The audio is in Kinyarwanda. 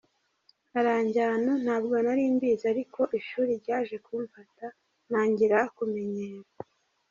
Aranjyana ntabwo nari mbizi ariko ishuri ryaje kumfata ntangira kumenyera”.